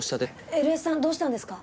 エルエスさんどうしたんですか？